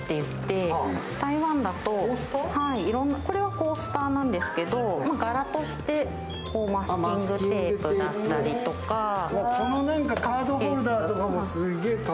これはコースターなんですけど、柄としてマスキングテープだったりとかパスケースとか。